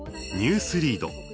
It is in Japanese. ニュースリード。